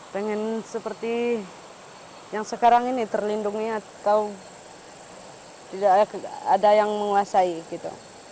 pengen seperti yang sekarang ini terlindungi atau tidak ada yang menguasai gitu